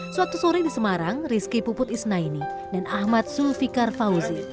suatu sore di semarang rizky puput isnaini dan ahmad zulfikar fauzi